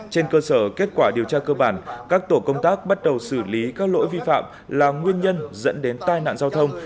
trên cơ sở kết quả điều tra cơ bản các tổ công tác bắt đầu xử lý các lỗi vi phạm là nguyên nhân dẫn đến tai nạn giao thông